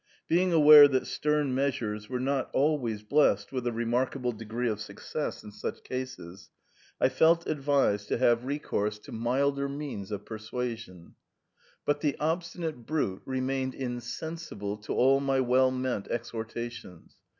Being aware that stern mea sures were not always blessed with a remarkable degree of success in such cases, I felt advised to have recourse THE PERM ATA. 45 to milder means of persuasion ; but the obstinate brute remained insensible to all my well meant exhortations.